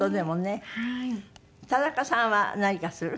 田中さんは何かする？